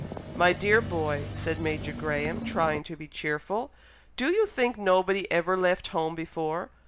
"My dear boy!" said Major Graham, trying to be cheerful; "do you think nobody ever left home before?